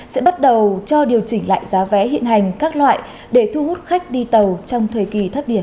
sẽ bắt đầu cho điều chỉnh lại giá vé hiện hành các loại để thu hút khách đi tàu trong thời kỳ thấp điển